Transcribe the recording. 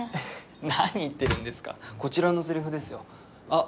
何言ってるんですかこちらのセリフですよあっ